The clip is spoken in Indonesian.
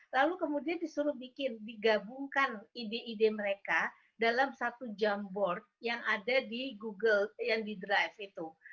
lalu kemudian disuruh bikin digabungkan ide ide mereka dalam satu jamboard yang ada di google yang di drive itu